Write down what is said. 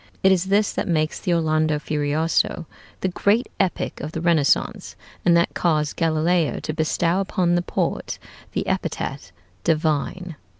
It is this that makes the 'Orlando Furioso' the great epic of the Renaissance, and that caused Galileo to bestow upon the poet the epithet "divine."